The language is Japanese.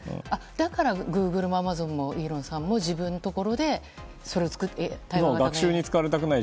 だからグーグルもアマゾンもイーロンさんも自分のところで学習に使われたくない